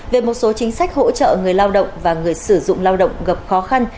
về một số chính sách hỗ trợ người lao động và người sử dụng lao động gặp khó khăn